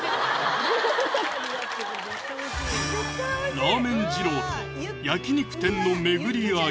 ラーメン二郎と焼肉店の巡り合い